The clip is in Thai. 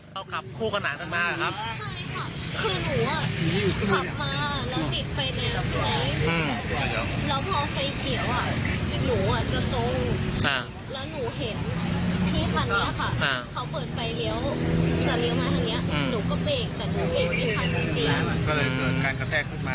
ภาคหลังทั้งนี้หนูเป็กแต่หนูแบบกลางกระแทกขึ้นมา